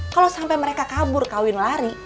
kalau sampai mereka kabur kawin lari